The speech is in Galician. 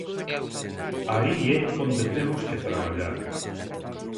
Aí é onde temos que traballar.